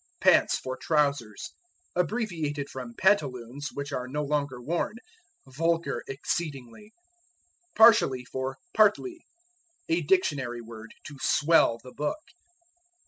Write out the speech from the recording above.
Pants for Trousers. Abbreviated from pantaloons, which are no longer worn. Vulgar exceedingly. Partially for Partly. A dictionary word, to swell the book.